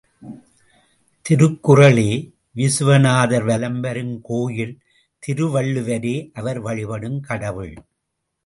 திருக்குறளே விசுவநாதர் வலம் வரும் கோயில் திருவள்ளுவரே அவர் வழிபடும் கடவுள்.